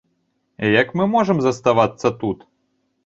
Як мы можам заставацца тут?